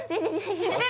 知ってる？